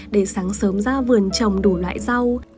để sáng sớm ra vườn trồng đổ loại rau